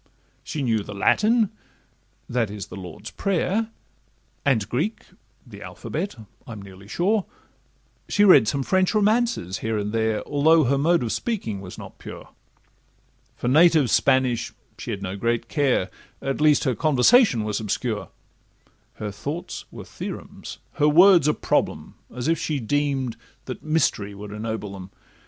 She knew the Latin—that is, 'the Lord's prayer,' And Greek—the alphabet—I'm nearly sure; She read some French romances here and there, Although her mode of speaking was not pure; For native Spanish she had no great care, At least her conversation was obscure; Her thoughts were theorems, her words a problem, As if she deem'd that mystery would ennoble 'em.